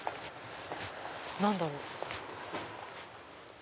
何だろう？